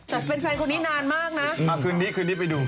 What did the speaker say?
แต่เป็นแฟนคนนี้นานมากนะ